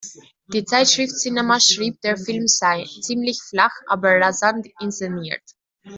Die Zeitschrift "Cinema" schrieb, der Film sei "„ziemlich flach, aber rasant inszeniert“".